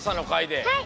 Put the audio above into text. はい！